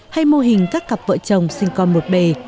hay mô hình các cặp vợ chồng sinh con một bề